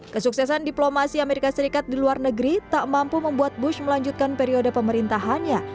kesuksesan diplomasi amerika serikat di luar negeri tak mampu membuat bush melanjutkan periode pemerintahannya